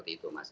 seperti itu mas